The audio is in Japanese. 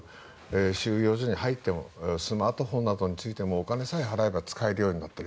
収容所に入ってもスマートフォンなどについてもお金さえ払えば使えるようになっている。